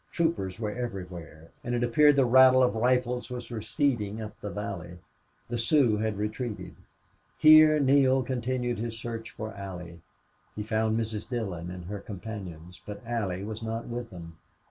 Troopers were everywhere. And it appeared the rattle of rifles was receding up the valley. The Sioux had retreated. Here Neale continued his search for Allie. He found Mrs. Dillon and her companions, but Allie was not with them.